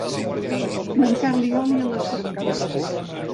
Mancar-li oli a les frontisses.